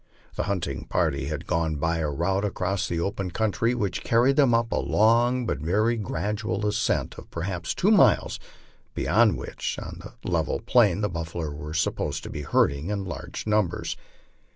The hunting party had gone by a route across the open country which earned them up a long but very gradual ascent of perhaps two miles, beyond which, on the level plain, the buffalo were supposed to be herding in large numbers.